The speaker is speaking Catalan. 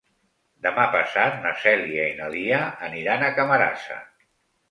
Demà passat na Cèlia i na Lia aniran a Camarasa.